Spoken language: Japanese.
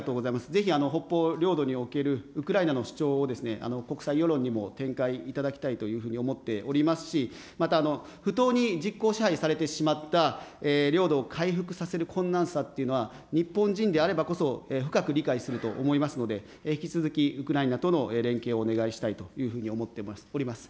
ぜひ、北方領土におけるウクライナの主張を国際世論にも展開いただきたいというふうに思っておりますし、また、不当に実効支配されてしまった領土を回復させる困難さというのは日本人であればこそ深く理解すると思いますので、引き続きウクライナとの連携をお願いしたいというふうに思っております。